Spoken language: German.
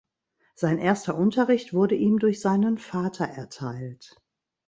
Sein erster Unterricht wurde ihm durch seinen Vater erteilt.